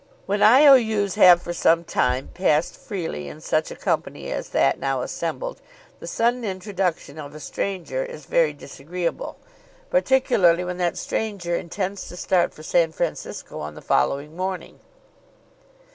When I.O.U.'s have for some time passed freely in such a company as that now assembled the sudden introduction of a stranger is very disagreeable, particularly when that stranger intends to start for San Francisco on the following morning.